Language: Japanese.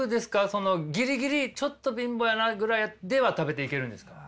ギリギリちょっと貧乏やなぐらいでは食べていけるんですか？